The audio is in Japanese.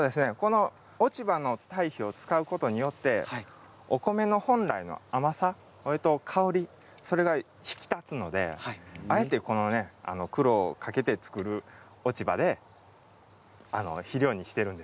落ち葉の堆肥を使うことによってお米の本来の甘さ、それと香りそれが引き立つのであえてこの苦労をかけて作る落ち葉で肥料にしているんです。